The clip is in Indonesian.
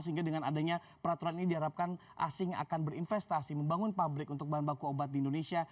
sehingga dengan adanya peraturan ini diharapkan asing akan berinvestasi membangun pabrik untuk bahan baku obat di indonesia